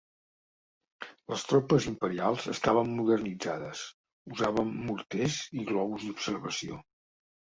Les tropes imperials estaven modernitzades, usaven morters i globus d'observació.